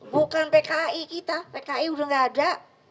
bukan pki kita pki udah gak ada